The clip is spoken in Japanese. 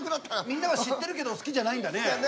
みんなは知ってるけど好きじゃないんだね。